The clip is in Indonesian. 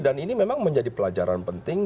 dan ini memang menjadi pelajaran penting